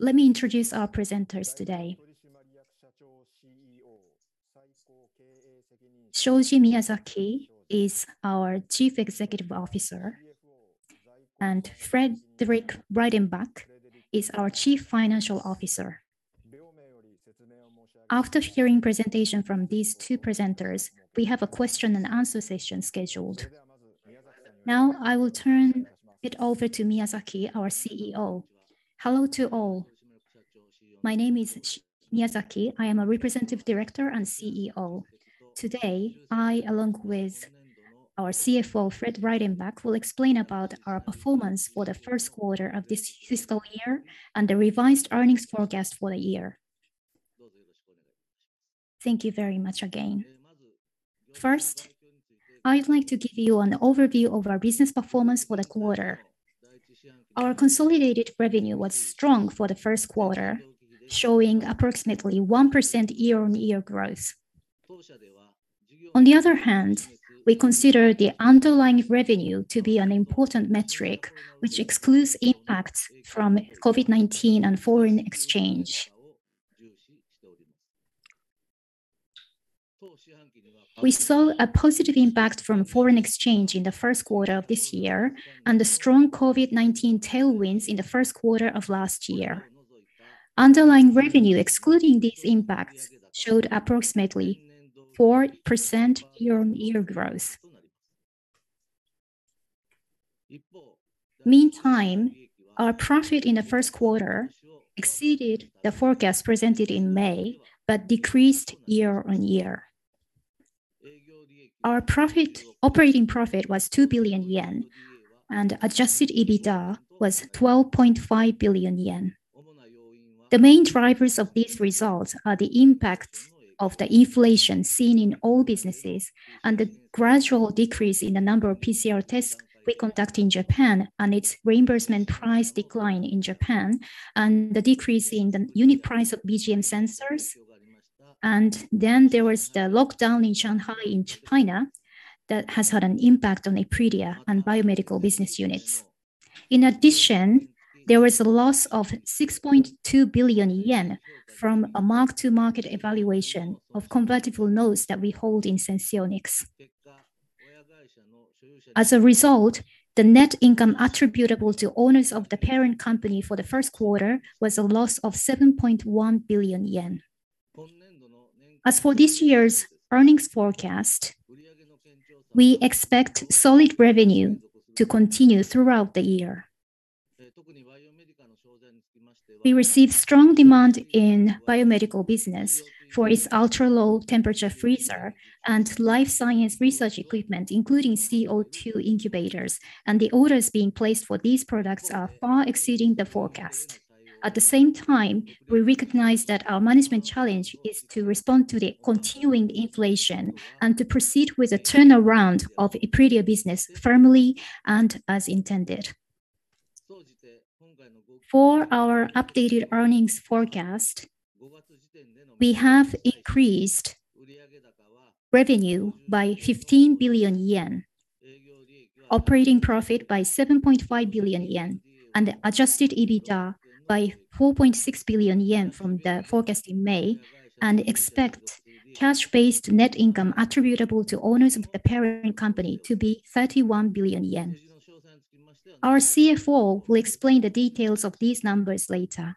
Let me introduce our presenters today. Shoji Miyazaki is our Chief Executive Officer, and Frederick Reidenbach is our Chief Financial Officer. After hearing presentation from these two presenters, we have a question and answer session scheduled. Now I will turn it over to Miyazaki, our CEO. Hello to all. My name is Shoji Miyazaki. I am a Representative Director and CEO. Today, I, along with our CFO, Fred Reidenbach, will explain about our performance for the first quarter of this fiscal year and the revised earnings forecast for the year. Thank you very much again. First, I'd like to give you an overview of our business performance for the quarter. Our consolidated revenue was strong for the first quarter, showing approximately 1% year-on-year growth. On the other hand, we consider the underlying revenue to be an important metric, which excludes impacts from COVID-19 and foreign exchange. We saw a positive impact from foreign exchange in the first quarter of this year and the strong COVID-19 tailwinds in the first quarter of last year. Underlying revenue, excluding these impacts, showed approximately 4% year-on-year growth. Meantime, our profit in the first quarter exceeded the forecast presented in May but decreased year-on-year. Our profit. Operating profit was 2 billion yen, and adjusted EBITDA was 12.5 billion yen. The main drivers of these results are the impact of the inflation seen in all businesses and the gradual decrease in the number of PCR tests we conduct in Japan and its reimbursement price decline in Japan and the decrease in the unit price of BGM sensors. There was the lockdown in Shanghai in China that has had an impact on Epredia and Biomedical business units. In addition, there was a loss of 6.2 billion yen from a mark-to-market evaluation of convertible notes that we hold in Senseonics. As a result, the net income attributable to owners of the parent company for the first quarter was a loss of 7.1 billion yen. As for this year's earnings forecast, we expect solid revenue to continue throughout the year. We received strong demand in biomedical business for its ultra-low temperature freezer and life science research equipment, including CO2 incubators, and the orders being placed for these products are far exceeding the forecast. At the same time, we recognize that our management challenge is to respond to the continuing inflation and to proceed with the turnaround of Epredia business firmly and as intended. For our updated earnings forecast, we have increased revenue by 15 billion yen, operating profit by 7.5 billion yen and adjusted EBITDA by 4.6 billion yen from the forecast in May and expect cash-based net income attributable to owners of the parent company to be 31 billion yen. Our CFO will explain the details of these numbers later.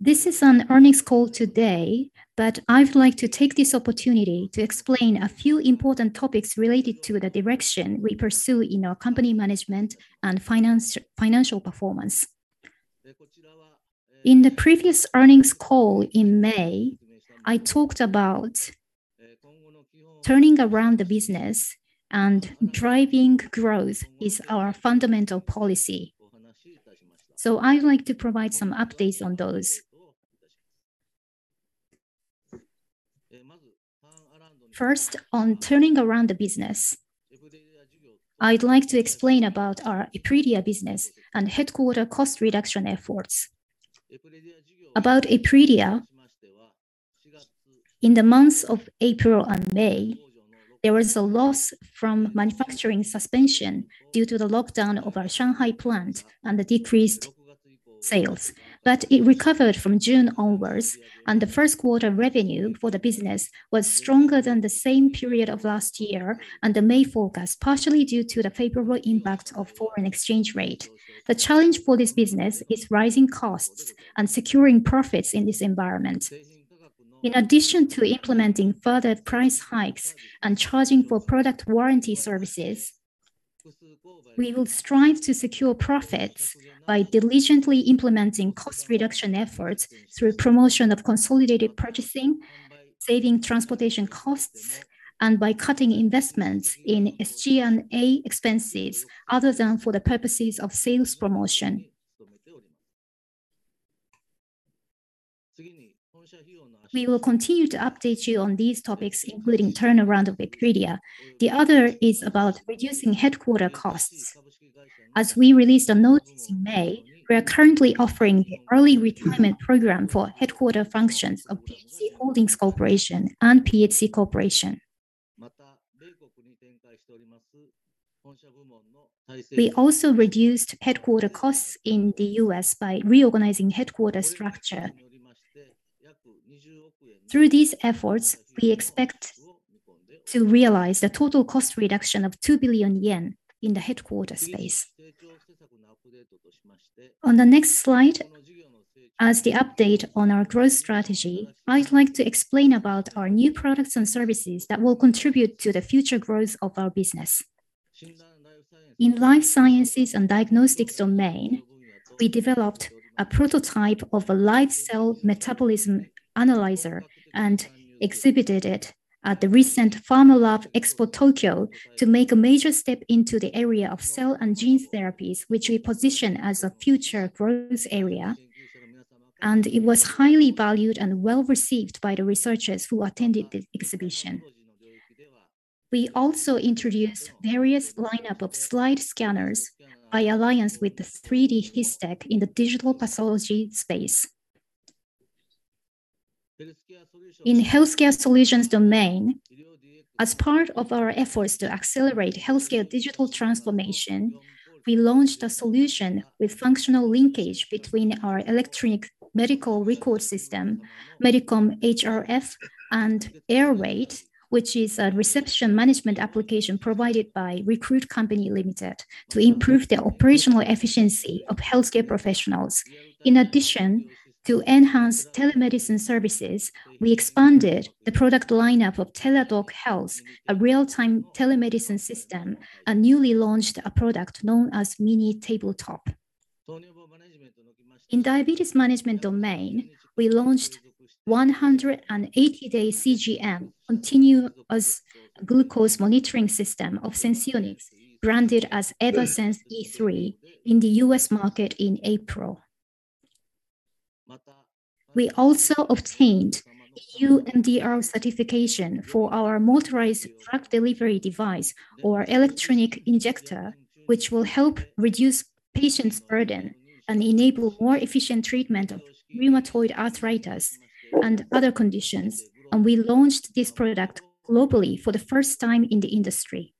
This is an earnings call today, but I'd like to take this opportunity to explain a few important topics related to the direction we pursue in our company management and finance, financial performance. In the previous earnings call in May, I talked about turning around the business and driving growth is our fundamental policy. I'd like to provide some updates on those. First, on turning around the business, I'd like to explain about our Epredia business and headquarters cost reduction efforts. About Epredia, in the months of April and May, there was a loss from manufacturing suspension due to the lockdown of our Shanghai plant and the decreased sales. It recovered from June onwards, and the first quarter revenue for the business was stronger than the same period of last year and the May forecast, partially due to the favorable impact of foreign exchange rate. The challenge for this business is rising costs and securing profits in this environment. In addition to implementing further price hikes and charging for product warranty services, we will strive to secure profits by diligently implementing cost reduction efforts through promotion of consolidated purchasing, saving transportation costs, and by cutting investments in SG&A expenses, other than for the purposes of sales promotion. We will continue to update you on these topics, including turnaround of Epredia. The other is about reducing headquarters costs. As we released a notice in May, we are currently offering early retirement program for headquarters functions of PHC Holdings Corporation and PHC Corporation. We also reduced headquarters costs in the U.S. by reorganizing headquarters structure. Through these efforts, we expect to realize the total cost reduction of 2 billion yen in the headquarters space. On the next slide, as the update on our growth strategy, I'd like to explain about our new products and services that will contribute to the future growth of our business. In life sciences and diagnostics domain, we developed a prototype of a live cell metabolism analyzer and exhibited it at the recent PharmaLab Expo TOKYO to make a major step into the area of cell and gene therapies, which we position as a future growth area, and it was highly valued and well-received by the researchers who attended the exhibition. We also introduced various lineup of slide scanners by alliance with 3DHISTECH in the digital pathology space. In healthcare solutions domain, as part of our efforts to accelerate healthcare digital transformation, we launched a solution with functional linkage between our electronic medical record system, Medicom-HRf, and AirWAIT, which is a reception management application provided by Recruit Holdings Co., Ltd. to improve the operational efficiency of healthcare professionals. In addition to enhanced telemedicine services, we expanded the product lineup of Teladoc Health, Inc., a real-time telemedicine system, and newly launched a product known as Mini Tabletop. In diabetes management domain, we launched 180-day CGM, Continuous Glucose Monitoring system of Senseonics Holdings, Inc., branded as Eversense E3 in the U.S. market in April. We also obtained E.U. MDR certification for our motorized drug delivery device or electronic injector, which will help reduce patient's burden and enable more efficient treatment of rheumatoid arthritis and other conditions. We launched this product globally for the first time in the industry.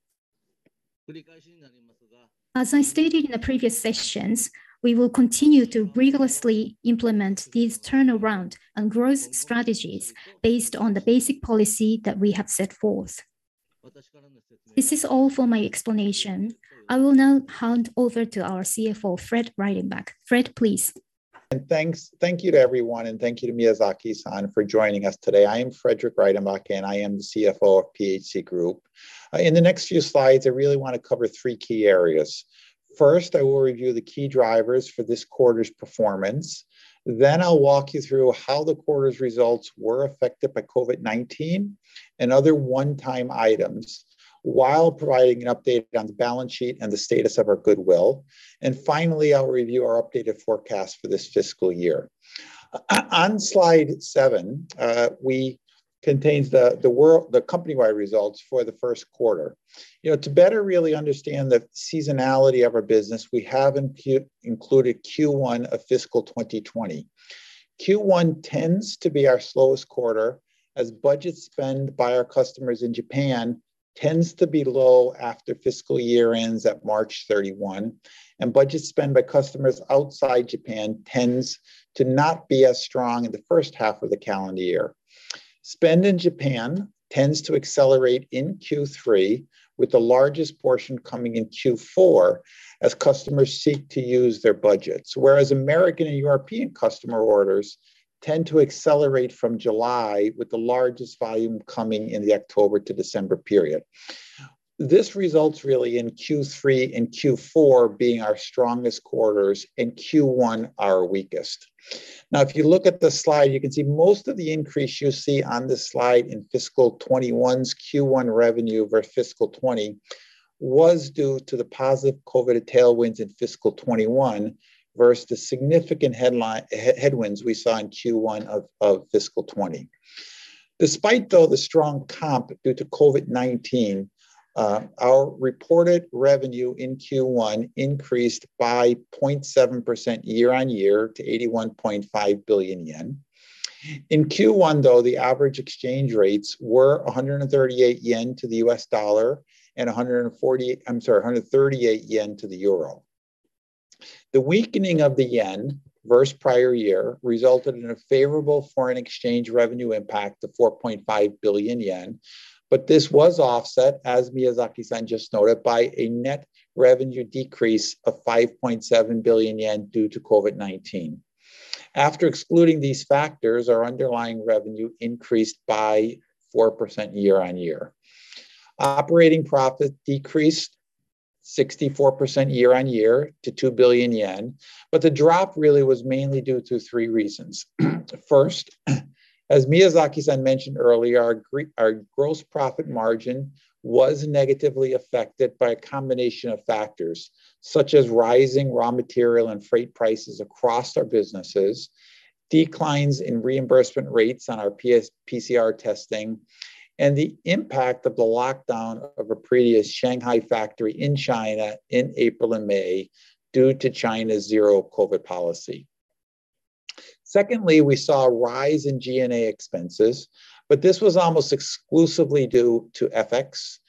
As I stated in the previous sessions, we will continue to rigorously implement these turnaround and growth strategies based on the basic policy that we have set forth. This is all for my explanation. I will now hand over to our CFO, Fred Reidenbach. Fred, please. Thanks. Thank you to everyone, and thank you to Miyazaki-san for joining us today. I am Frederick Reidenbach, and I am the CFO of PHC Group. In the next few slides, I really want to cover three key areas. First, I will review the key drivers for this quarter's performance. Then I'll walk you through how the quarter's results were affected by COVID-19 and other one-time items while providing an update on the balance sheet and the status of our goodwill. Finally, I'll review our updated forecast for this fiscal year. On slide seven, we can see the company-wide results for the first quarter. You know, to better really understand the seasonality of our business, we have included Q1 of fiscal 2020. Q1 tends to be our slowest quarter as budget spend by our customers in Japan tends to be low after fiscal year ends at March 31, and budget spend by customers outside Japan tends to not be as strong in the first half of the calendar year. Spend in Japan tends to accelerate in Q3, with the largest portion coming in Q4 as customers seek to use their budgets. Whereas American and European customer orders tend to accelerate from July, with the largest volume coming in the October to December period. This results really in Q3 and Q4 being our strongest quarters and Q1 our weakest. Now if you look at the slide, you can see most of the increase you see on this slide in fiscal 2021's Q1 revenue versus fiscal 2020 was due to the positive COVID tailwinds in fiscal 2021 versus the significant headwinds we saw in Q1 of fiscal 2020. Despite the strong comp due to COVID-19, our reported revenue in Q1 increased by 0.7% year-on-year to 81.5 billion yen. In Q1, though, the average exchange rates were 138 yen to the U.S. dollar and 138 yen to the euro. The weakening of the yen versus prior year resulted in a favorable foreign exchange revenue impact to 4.5 billion yen. This was offset, as Miyazaki-san just noted, by a net revenue decrease of 5.7 billion yen due to COVID-19. After excluding these factors, our underlying revenue increased by 4% year-on-year. Operating profit decreased 64% year-on-year to 2 billion yen. The drop really was mainly due to three reasons. First, as Miyazaki-san mentioned earlier, our gross profit margin was negatively affected by a combination of factors such as rising raw material and freight prices across our businesses, declines in reimbursement rates on our PCR testing, and the impact of the lockdown of a previous Shanghai factory in China in April and May due to China's zero COVID policy. Secondly, we saw a rise in G&A expenses, but this was almost exclusively due to FX.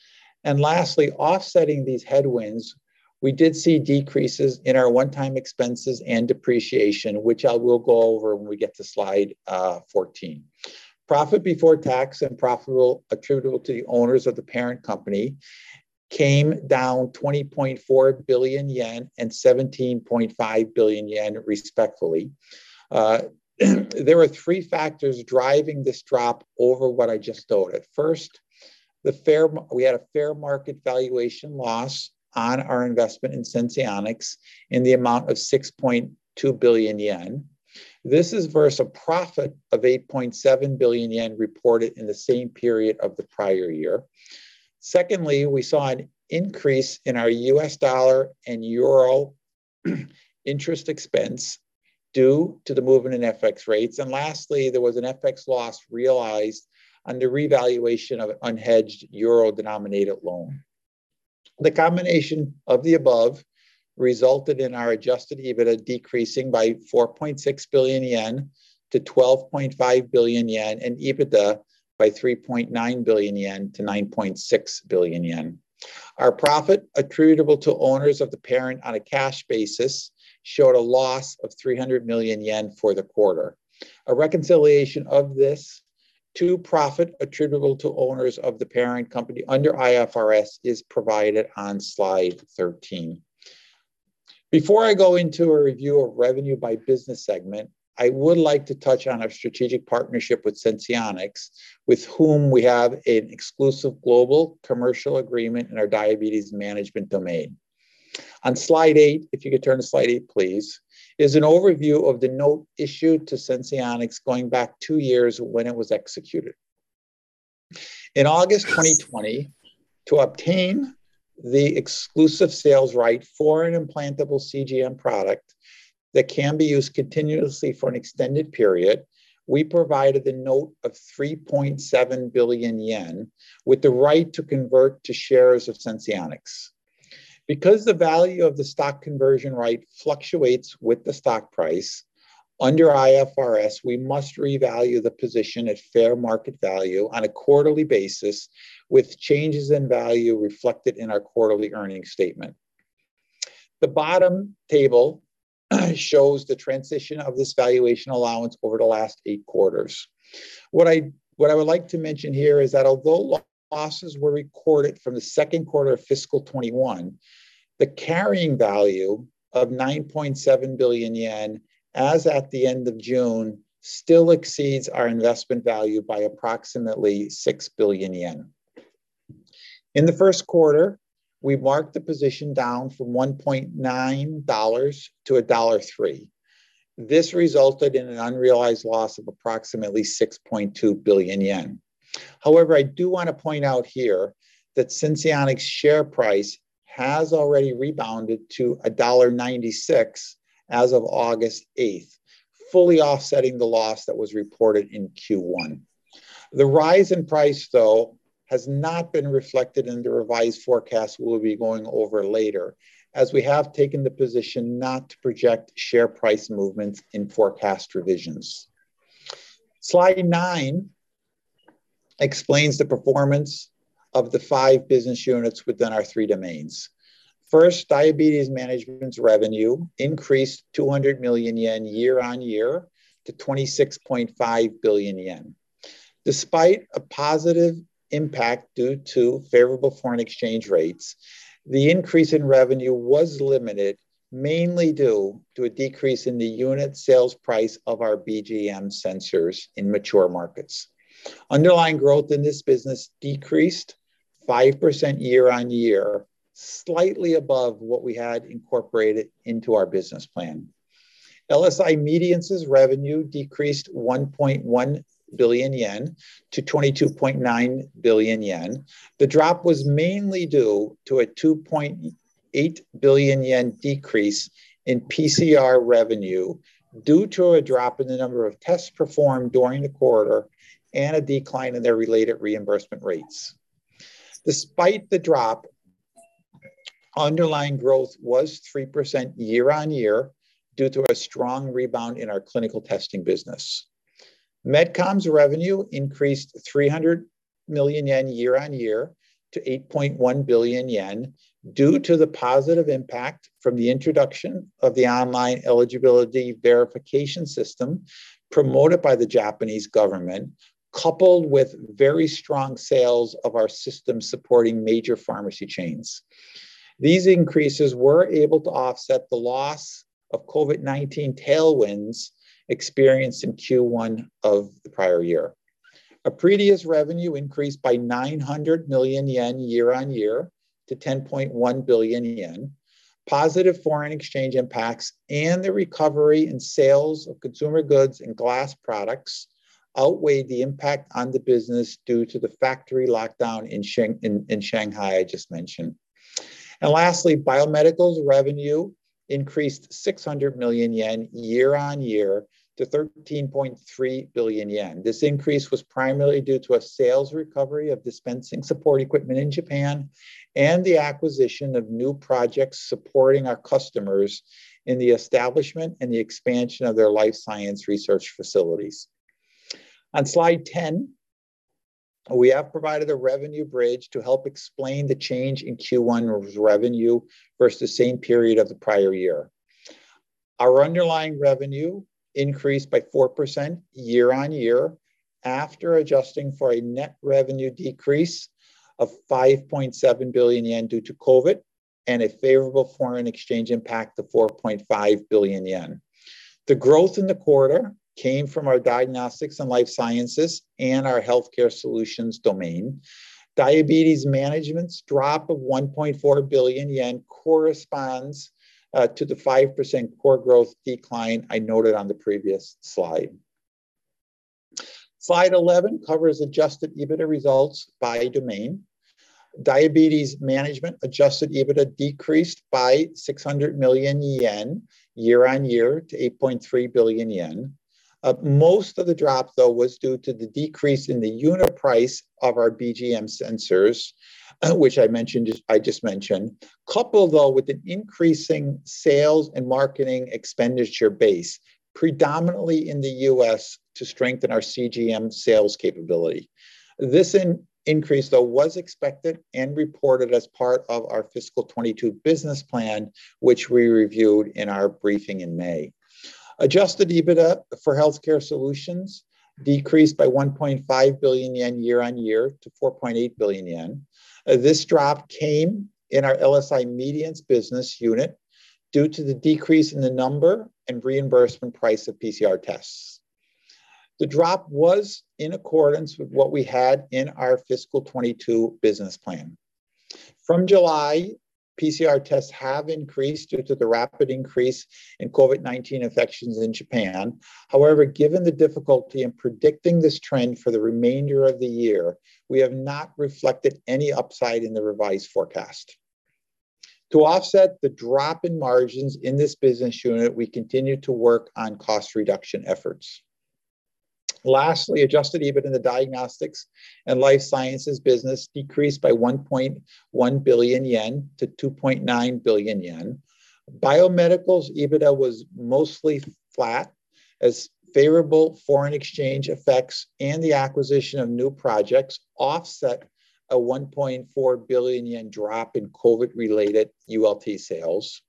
Lastly, offsetting these headwinds, we did see decreases in our one-time expenses and depreciation, which I will go over when we get to slide fourteen. Profit before tax and attributable to the owners of the parent company came down 20.4 billion yen and 17.5 billion yen respectively. There were three factors driving this drop over what I just noted. First, the fair market valuation loss on our investment in Senseonics in the amount of 6.2 billion yen. This is versus a profit of 8.7 billion yen reported in the same period of the prior year. Secondly, we saw an increase in our U.S. dollar and euro interest expense due to the movement in FX rates. Lastly, there was an FX loss realized on the revaluation of an unhedged euro-denominated loan. The combination of the above resulted in our adjusted EBITDA decreasing by 4.6 billion yen to 12.5 billion yen, and EBITDA by 3.9 billion yen to 9.6 billion yen. Our profit attributable to owners of the parent on a cash basis showed a loss of 300 million yen for the quarter. A reconciliation of this to profit attributable to owners of the parent company under IFRS is provided on slide 13. Before I go into a review of revenue by business segment, I would like to touch on our strategic partnership with Senseonics, with whom we have an exclusive global commercial agreement in our diabetes management domain. On slide eight, if you could turn to slide eight, please, is an overview of the note issued to Senseonics going back two years when it was executed. In August 2020, to obtain the exclusive sales right for an implantable CGM product that can be used continuously for an extended period, we provided the note of 3.7 billion yen with the right to convert to shares of Senseonics. Because the value of the stock conversion right fluctuates with the stock price, under IFRS, we must revalue the position at fair market value on a quarterly basis, with changes in value reflected in our quarterly earnings statement. The bottom table shows the transition of this valuation allowance over the last eight quarters. What I would like to mention here is that although losses were recorded from the second quarter of fiscal 2021, the carrying value of 9.7 billion yen as at the end of June still exceeds our investment value by approximately 6 billion yen. In the first quarter, we marked the position down from $1.9 to $1.03. This resulted in an unrealized loss of approximately 6.2 billion yen. However, I do want to point out here that Senseonics' share price has already rebounded to $1.96 as of August eighth, fully offsetting the loss that was reported in Q1. The rise in price, though, has not been reflected in the revised forecast we'll be going over later, as we have taken the position not to project share price movements in forecast revisions. Slide nine explains the performance of the five business units within our three domains. First, Diabetes Management's revenue increased 200 million yen year-on-year to 26.5 billion yen. Despite a positive impact due to favorable foreign exchange rates, the increase in revenue was limited, mainly due to a decrease in the unit sales price of our BGM sensors in mature markets. Underlying growth in this business decreased 5% year-over-year, slightly above what we had incorporated into our business plan. LSI Medience's revenue decreased 1.1 billion yen to 22.9 billion yen. The drop was mainly due to a 2.8 billion yen decrease in PCR revenue due to a drop in the number of tests performed during the quarter and a decline in their related reimbursement rates. Despite the drop, underlying growth was 3% year-over-year due to a strong rebound in our clinical testing business. Medicom's revenue increased 300 million yen year-over-year to 8.1 billion yen due to the positive impact from the introduction of the online eligibility verification system promoted by the Japanese government, coupled with very strong sales of our system supporting major pharmacy chains. These increases were able to offset the loss of COVID-19 tailwinds experienced in Q1 of the prior year. Epredia's revenue increased by 900 million yen year-over-year to 10.1 billion yen. Positive foreign exchange impacts and the recovery in sales of consumer goods and glass products outweighed the impact on the business due to the factory lockdown in Shanghai I just mentioned. Lastly, Biomedical's revenue increased 600 million yen year-over-year to 13.3 billion yen. This increase was primarily due to a sales recovery of dispensing support equipment in Japan and the acquisition of new projects supporting our customers in the establishment and the expansion of their life science research facilities. On slide 10. We have provided a revenue bridge to help explain the change in Q1 revenue versus same period of the prior year. Our underlying revenue increased by 4% year-on-year after adjusting for a net revenue decrease of 5.7 billion yen due to COVID and a favorable foreign exchange impact of 4.5 billion yen. The growth in the quarter came from our Diagnostics and Life Sciences and our Healthcare Solutions domain. Diabetes Management's drop of 1.4 billion yen corresponds to the 5% core growth decline I noted on the previous slide. Slide 11 covers adjusted EBITDA results by domain. Diabetes management adjusted EBITDA decreased by 600 million yen year-on-year to 8.3 billion yen. Most of the drop, though, was due to the decrease in the unit price of our BGM sensors, which I mentioned. Coupled, though, with an increasing sales and marketing expenditure base, predominantly in the U.S. to strengthen our CGM sales capability. This increase, though, was expected and reported as part of our fiscal 2022 business plan, which we reviewed in our briefing in May. Adjusted EBITDA for healthcare solutions decreased by 1.5 billion yen year-on-year to 4.8 billion yen. This drop came in our LSI Medience business unit due to the decrease in the number and reimbursement price of PCR tests. The drop was in accordance with what we had in our fiscal 2022 business plan. From July, PCR tests have increased due to the rapid increase in COVID-19 infections in Japan. However, given the difficulty in predicting this trend for the remainder of the year, we have not reflected any upside in the revised forecast. To offset the drop in margins in this business unit, we continue to work on cost reduction efforts. Lastly, adjusted EBITDA in the diagnostics and life sciences business decreased by 1.1 billion yen to 2.9 billion yen. Biomedical's EBITDA was mostly flat as favorable foreign exchange effects and the acquisition of new projects offset a 1.4 billion yen drop in COVID-related ULT sales.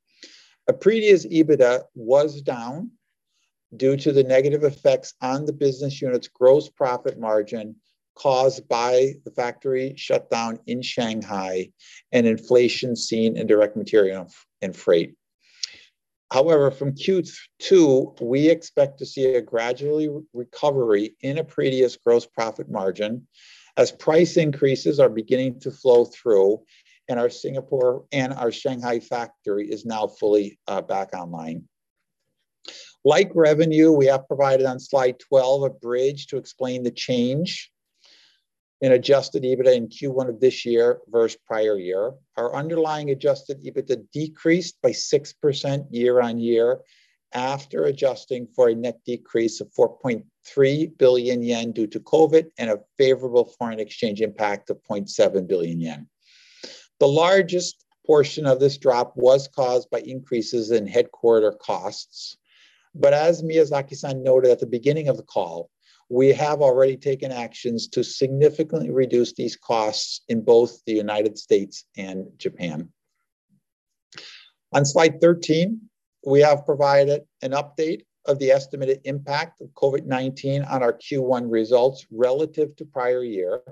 Epredia's EBITDA was down due to the negative effects on the business unit's gross profit margin caused by the factory shutdown in Shanghai and inflation seen in direct material and freight. However, from Q2, we expect to see a gradual recovery in Epredia's gross profit margin as price increases are beginning to flow through and our Singapore and our Shanghai factory is now fully back online. Like revenue, we have provided on slide 12 a bridge to explain the change in adjusted EBITDA in Q1 of this year versus prior year. Our underlying adjusted EBITDA decreased by 6% year-on-year after adjusting for a net decrease of 4.3 billion yen due to COVID and a favorable foreign exchange impact of 0.7 billion yen. The largest portion of this drop was caused by increases in headquarters costs. As Miyazaki-san noted at the beginning of the call, we have already taken actions to significantly reduce these costs in both the United States and Japan. On slide 13, we have provided an update of the estimated impact of COVID-19 on our Q1 results relative to prior year,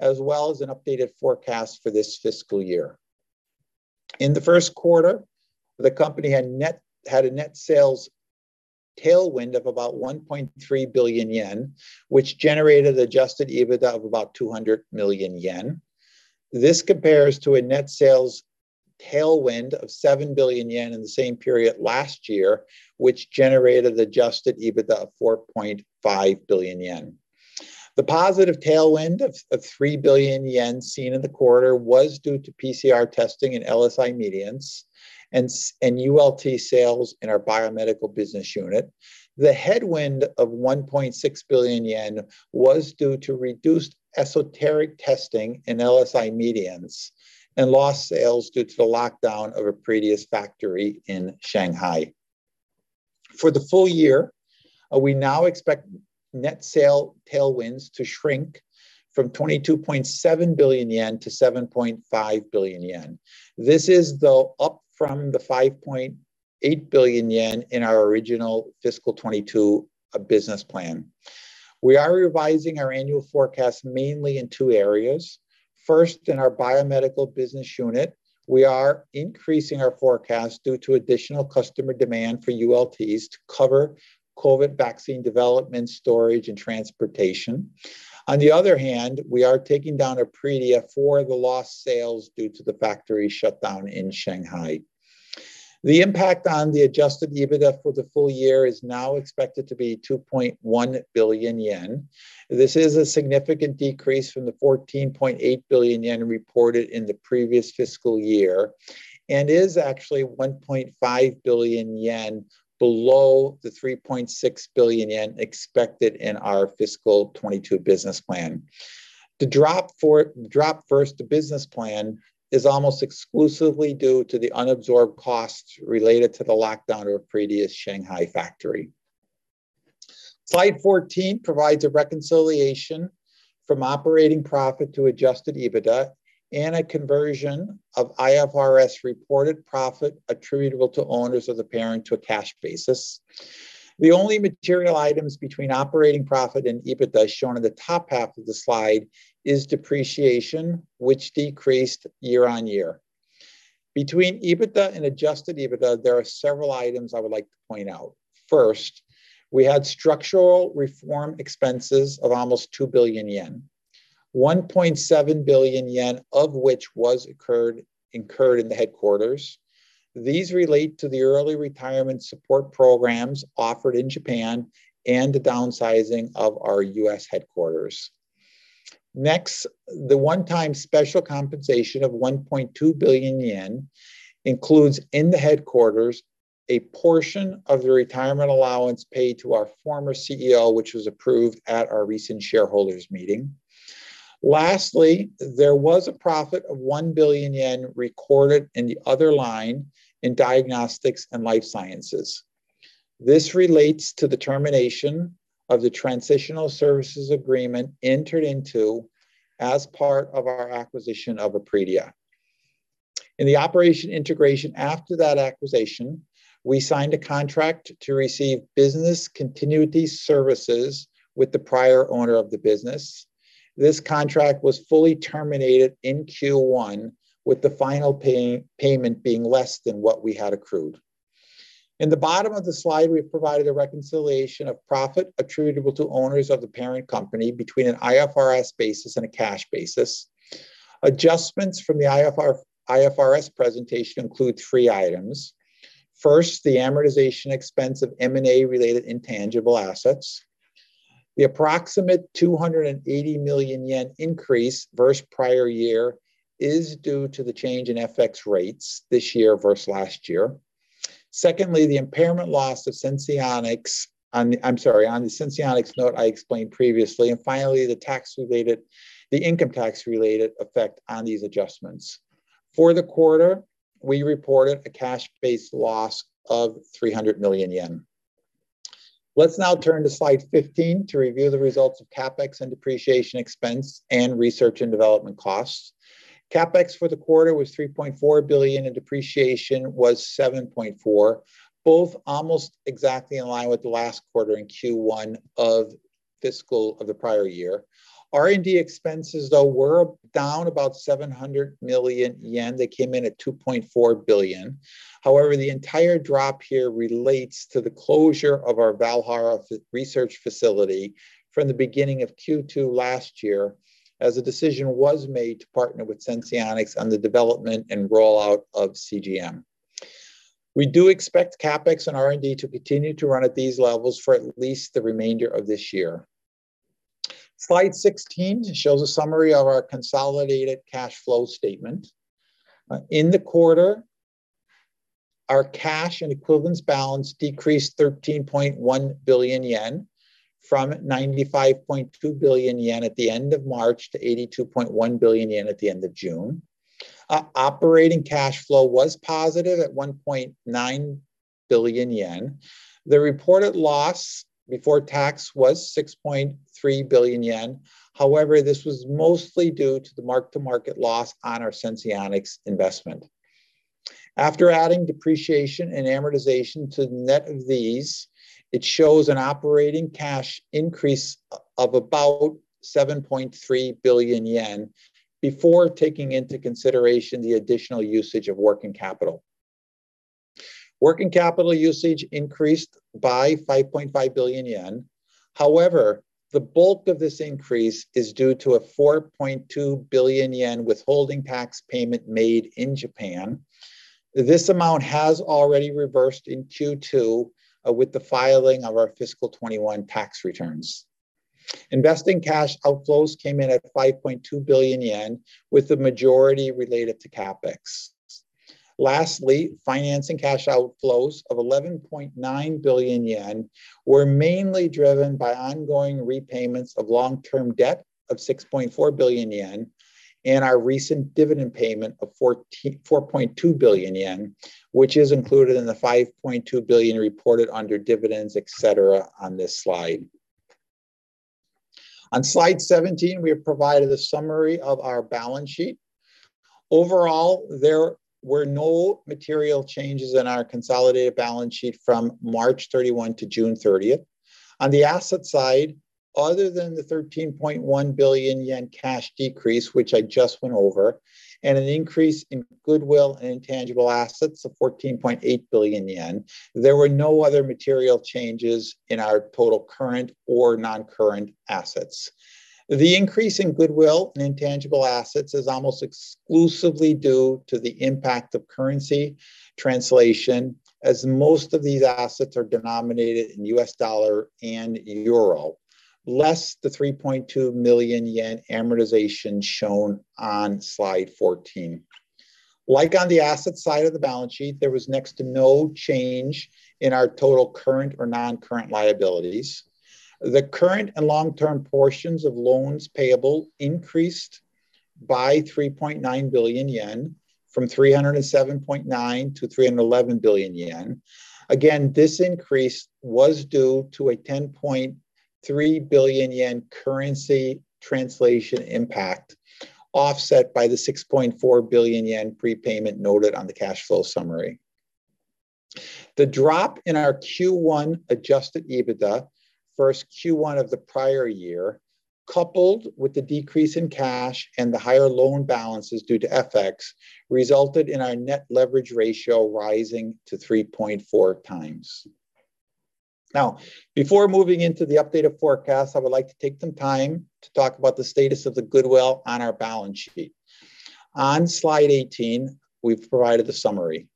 as well as an updated forecast for this fiscal year. In the first quarter, the company had a net sales tailwind of about 1.3 billion yen, which generated adjusted EBITDA of about 200 million yen. This compares to a net sales tailwind of 7 billion yen in the same period last year, which generated adjusted EBITDA of 4.5 billion yen. The positive tailwind of 3 billion yen seen in the quarter was due to PCR testing in LSI Medience and s- and ULT sales in our biomedical business unit. The headwind of 1.6 billion yen was due to reduced esoteric testing in LSI Medience and lost sales due to the lockdown of Epredia's factory in Shanghai. For the full year, we now expect net sales tailwinds to shrink from 22.7 billion yen to 7.5 billion yen. This is, though, up from the 5.8 billion yen in our original fiscal 2022 business plan. We are revising our annual forecast mainly in two areas. First, in our biomedical business unit, we are increasing our forecast due to additional customer demand for ULTs to cover COVID vaccine development, storage, and transportation. On the other hand, we are taking down Epredia for the lost sales due to the factory shutdown in Shanghai. The impact on the adjusted EBITDA for the full year is now expected to be 2.1 billion yen. This is a significant decrease from the 14.8 billion yen reported in the previous fiscal year and is actually 1.5 billion yen below the 3.6 billion yen expected in our fiscal 2022 business plan. The drop versus the business plan is almost exclusively due to the unabsorbed costs related to the lockdown of Epredia's Shanghai factory. Slide 14 provides a reconciliation from operating profit to adjusted EBITDA and a conversion of IFRS reported profit attributable to owners of the parent to a cash basis. The only material items between operating profit and EBITDA shown in the top half of the slide is depreciation, which decreased year-on-year. Between EBITDA and adjusted EBITDA, there are several items I would like to point out. First, we had structural reform expenses of almost 2 billion yen. 1.7 billion yen, of which was incurred in the headquarters. These relate to the early retirement support programs offered in Japan and the downsizing of our U.S. headquarters. Next, the one-time special compensation of 1.2 billion yen includes, in the headquarters, a portion of the retirement allowance paid to our former CEO, which was approved at our recent shareholders meeting. Lastly, there was a profit of 1 billion yen recorded in the other line in diagnostics and life sciences. This relates to the termination of the transitional services agreement entered into as part of our acquisition of Epredia. In the operational integration after that acquisition, we signed a contract to receive business continuity services with the prior owner of the business. This contract was fully terminated in Q1, with the final payment being less than what we had accrued. In the bottom of the slide, we've provided a reconciliation of profit attributable to owners of the parent company between an IFRS basis and a cash basis. Adjustments from the IFRS presentation include three items. First, the amortization expense of M&A related intangible assets. The approximate 280 million yen increase versus prior year is due to the change in FX rates this year versus last year. Secondly, the impairment loss on Senseonics, on the Senseonics note I explained previously. Finally, the income tax related effect on these adjustments. For the quarter, we reported a cash-based loss of 300 million yen. Let's now turn to slide 15 to review the results of CapEx and depreciation expense and research and development costs. CapEx for the quarter was 3.4 billion, and depreciation was 7.4 billion, both almost exactly in line with the last quarter in Q1 of fiscal of the prior year. R&D expenses, though, were down about 700 million yen. They came in at 2.4 billion. However, the entire drop here relates to the closure of our Valhalla research facility from the beginning of Q2 last year, as a decision was made to partner with Senseonics on the development and rollout of CGM. We do expect CapEx and R&D to continue to run at these levels for at least the remainder of this year. Slide 16 shows a summary of our consolidated cash flow statement. In the quarter, our cash and equivalents balance decreased 13.1 billion yen from 95.2 billion yen at the end of March to 82.1 billion yen at the end of June. Operating cash flow was positive at 1.9 billion yen. The reported loss before tax was 6.3 billion yen. However, this was mostly due to the mark-to-market loss on our Senseonics investment. After adding depreciation and amortization to the net of these, it shows an operating cash increase of about 7.3 billion yen before taking into consideration the additional usage of working capital. Working capital usage increased by 5.5 billion yen. However, the bulk of this increase is due to a 4.2 billion yen withholding tax payment made in Japan. This amount has already reversed in Q2 with the filing of our fiscal 2021 tax returns. Investing cash outflows came in at 5.2 billion yen, with the majority related to CapEx. Lastly, financing cash outflows of 11.9 billion yen were mainly driven by ongoing repayments of long-term debt of 6.4 billion yen and our recent dividend payment of 44.2 billion yen, which is included in the 5.2 billion reported under dividends, et cetera, on this slide. On slide 17, we have provided a summary of our balance sheet. Overall, there were no material changes in our consolidated balance sheet from March 31 to June 30th. On the asset side, other than the 13.1 billion yen cash decrease, which I just went over, and an increase in goodwill and intangible assets of 14.8 billion yen, there were no other material changes in our total current or non-current assets. The increase in goodwill and intangible assets is almost exclusively due to the impact of currency translation, as most of these assets are denominated in U.S. dollar and euro, less the 3.2 million yen amortization shown on slide 14. Like on the asset side of the balance sheet, there was next to no change in our total current or non-current liabilities. The current and long-term portions of loans payable increased by 3.9 billion yen, from 307.9 billion-311 billion yen. Again, this increase was due to a 10.3 billion yen currency translation impact offset by the 6.4 billion yen prepayment noted on the cash flow summary. The drop in our Q1 adjusted EBITDA versus Q1 of the prior year, coupled with the decrease in cash and the higher loan balances due to FX, resulted in our net leverage ratio rising to 3.4x. Now, before moving into the updated forecast, I would like to take some time to talk about the status of the goodwill on our balance sheet. On slide 18, we've provided a summary.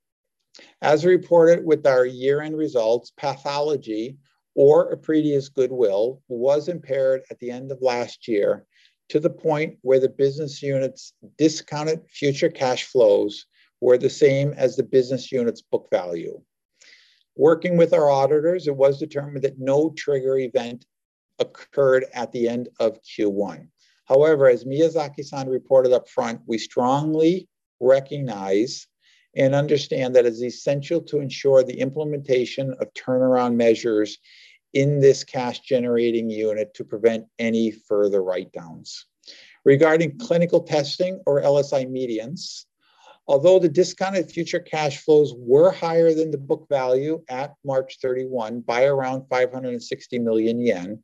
As reported with our year-end results, Pathology's prior goodwill was impaired at the end of last year to the point where the business unit's discounted future cash flows were the same as the business unit's book value. Working with our auditors, it was determined that no trigger event occurred at the end of Q1. However, as Miyazaki-san reported up front, we strongly recognize and understand that it's essential to ensure the implementation of turnaround measures in this cash-generating unit to prevent any further write-downs. Regarding clinical testing or LSI Medience, although the discounted future cash flows were higher than the book value at March 31 by around 560 million yen,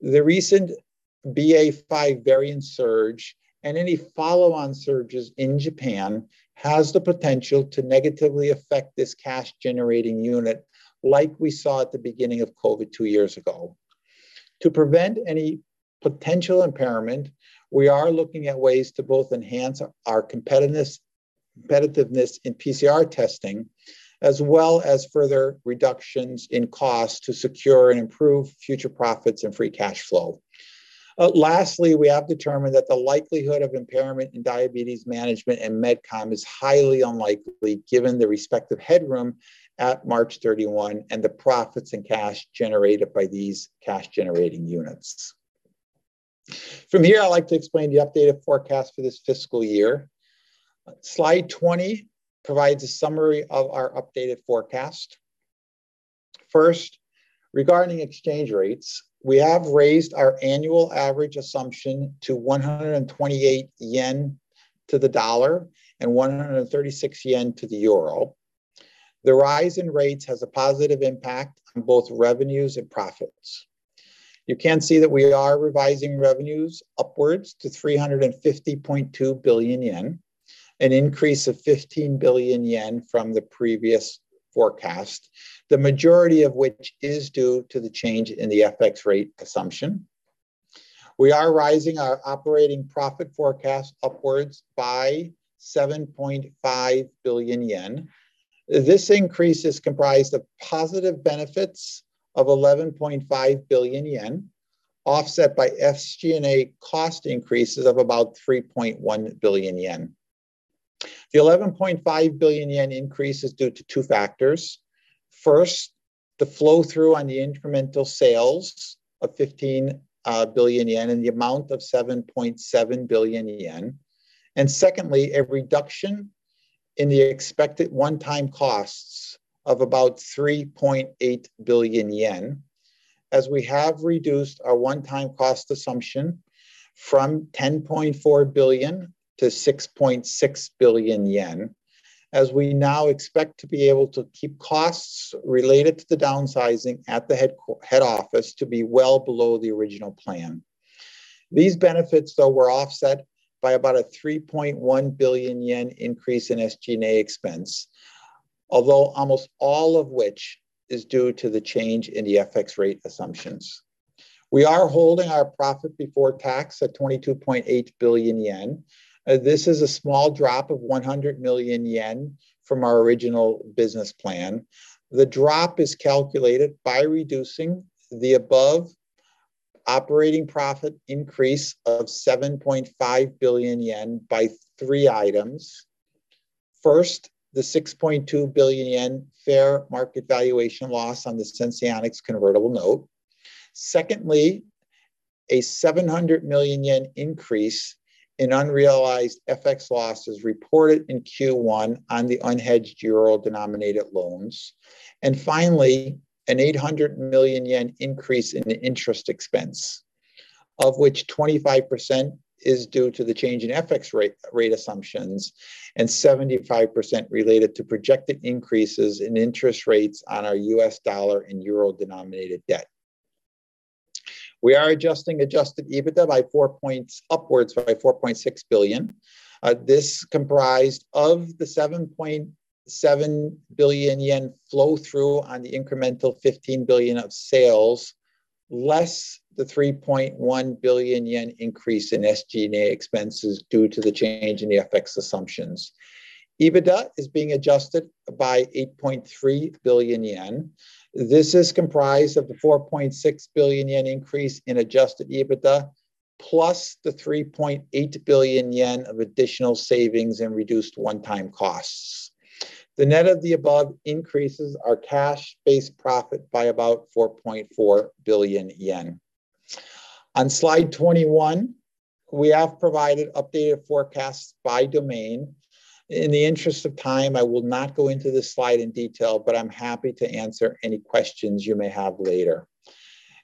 the recent BA.5 variant surge and any follow-on surges in Japan has the potential to negatively affect this cash-generating unit, like we saw at the beginning of COVID two years ago. To prevent any potential impairment, we are looking at ways to both enhance our competitiveness in PCR testing, as well as further reductions in cost to secure and improve future profits and free cash flow. Last, we have determined that the likelihood of impairment in Diabetes Management and Medicom is highly unlikely given the respective headroom at March 31 and the profits and cash generated by these cash-generating units. From here, I'd like to explain the updated forecast for this fiscal year. Slide 20 provides a summary of our updated forecast. First, regarding exchange rates, we have raised our annual average assumption to 128 yen to the dollar and 136 yen to the euro. The rise in rates has a positive impact on both revenues and profits. You can see that we are revising revenues upwards to 350.2 billion yen, an increase of 15 billion yen from the previous forecast, the majority of which is due to the change in the FX rate assumption. We are revising our operating profit forecast upwards by 7.5 billion yen. This increase is comprised of positive benefits of 11.5 billion yen, offset by SG&A cost increases of about 3.1 billion yen. The 11.5 billion yen increase is due to two factors. First, the flow-through on the incremental sales of 15 billion yen and the amount of 7.7 billion yen. Secondly, a reduction in the expected one-time costs of about 3.8 billion yen as we have reduced our one-time cost assumption from 10.4 billion to 6.6 billion yen, as we now expect to be able to keep costs related to the downsizing at the head office to be well below the original plan. These benefits, though, were offset by about a 3.1 billion yen increase in SG&A expense. Although almost all of which is due to the change in the FX rate assumptions. We are holding our profit before tax at 22.8 billion yen. This is a small drop of 100 million yen from our original business plan. The drop is calculated by reducing the above operating profit increase of 7.5 billion yen by three items. First, the 6.2 billion yen fair market valuation loss on the Senseonics convertible note. Secondly, a 700 million yen increase in unrealized FX losses reported in Q1 on the unhedged euro-denominated loans. Finally, a 800 million yen increase in the interest expense, of which 25% is due to the change in FX rate assumptions and 75% related to projected increases in interest rates on our U.S. dollar and euro-denominated debt. We are adjusting adjusted EBITDA by four points upwards by 4.6 billion. This comprised of the 7.7 billion yen flow-through on the incremental 15 billion of sales, less the 3.1 billion yen increase in SG&A expenses due to the change in the FX assumptions. EBITDA is being adjusted by 8.3 billion yen. This is comprised of the 4.6 billion yen increase in adjusted EBITDA, plus the 3.8 billion yen of additional savings and reduced one-time costs. The net of the above increases our cash-based profit by about 4.4 billion yen. On slide 21, we have provided updated forecasts by domain. In the interest of time, I will not go into this slide in detail, but I'm happy to answer any questions you may have later.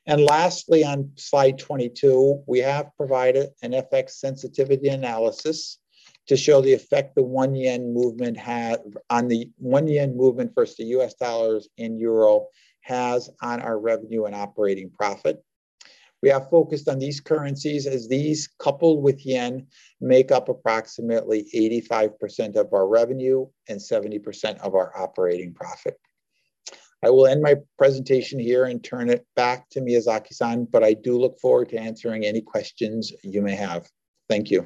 Lastly, on slide 22, we have provided an FX sensitivity analysis to show the effect a 1 yen movement versus the U.S. dollar and euro has on our revenue and operating profit. We are focused on these currencies as these, coupled with yen, make up approximately 85% of our revenue and 70% of our operating profit. I will end my presentation here and turn it back to Miyazaki-san, but I do look forward to answering any questions you may have. Thank you.